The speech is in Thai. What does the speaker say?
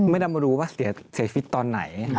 ไม่ได้มารู้เสียฟิตตอนไหน